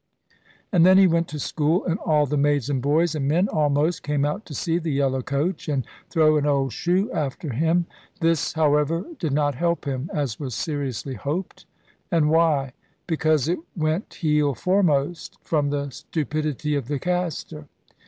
And then he went to school, and all the maids, and boys, and men almost, came out to see the yellow coach, and throw an old shoe after him. This, however, did not help him, as was seriously hoped; and why? Because it went heel foremost, from the stupidity of the caster.